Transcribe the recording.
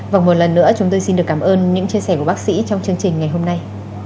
và một lần nữa chúng tôi xin được cảm ơn những chia sẻ của bác sĩ trong chương trình ngày hôm nay